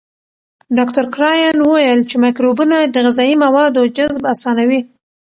ډاکټر کرایان وویل چې مایکروبونه د غذایي موادو جذب اسانوي.